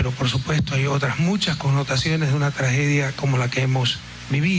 tapi tentu saja ada banyak konotasi dari tragedi yang kita alami